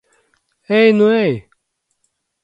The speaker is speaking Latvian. Ej nu ej!